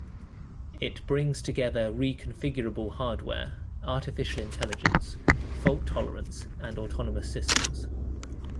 It brings together reconfigurable hardware, artificial intelligence, fault tolerance and autonomous systems.